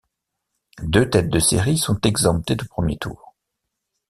Deux têtes de série sont exemptées de premier tour.